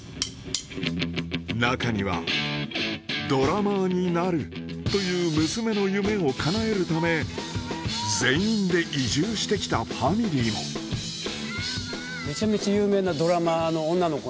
中にはドラマーになるという娘の夢をかなえるため全員で移住してきたファミリーもめちゃめちゃ有名なドラマーの女の子なんですよ。